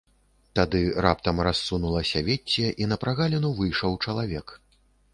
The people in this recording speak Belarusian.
Тады раптам рассунулася вецце і на прагаліну выйшаў чалавек.